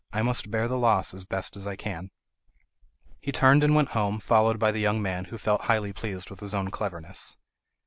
I must bear the loss as best as I can." He turned and went home, followed by the young man, who felt highly pleased with his own cleverness.